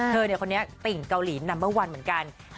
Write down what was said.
เธอคนนี้ติ่งเกาหลีนัมเบอร์วันเหมือนกัน